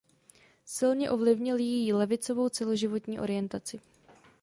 Silně ovlivnil její levicovou celoživotní orientaci..